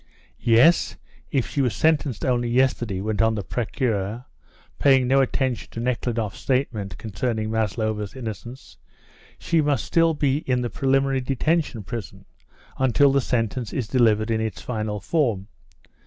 "Yes? If she was sentenced only yesterday," went on the Procureur, paying no attention to Nekhludoff's statement concerning Maslova's innocence, "she must still be in the preliminary detention prison until the sentence is delivered in its final form.